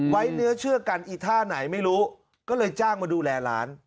ไว้เนื้อเชื่อกันอีท่าไหนไม่รู้ก็เลยจ้างมาดูแลร้าน